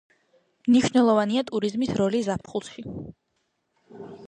მნიშვნელოვანია ტურიზმის როლი ზაფხულში.